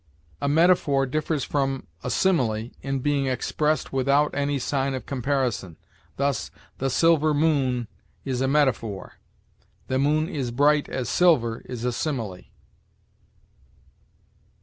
'" A metaphor differs from a simile in being expressed without any sign of comparison; thus, "the silver moon" is a metaphor; "the moon is bright as silver" is a simile.